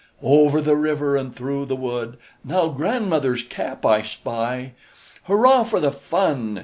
Over the river and through the wood Now grandmother's cap I spy! Hurrah for the fun!